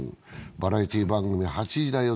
バラエティー番組「８時だョ！